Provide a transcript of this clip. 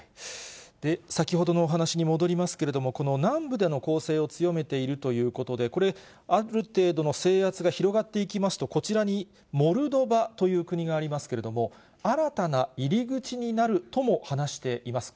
先ほどのお話に戻りますけれども、この南部での攻勢を強めているということですけれども、ある程度の制圧が広がっていきますと、こちらにモルドバという国がありますけれども、新たな入り口になるとも話しています。